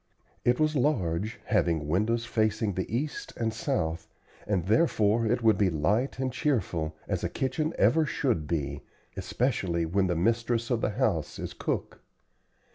It was large, having windows facing the east and south, and therefore it would be light and cheerful, as a kitchen ever should be, especially when the mistress of the house is cook.